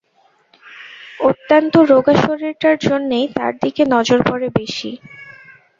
অত্যন্ত রোগা শরীরটার জন্যেই তার দিকে নজর পড়ে বেশি।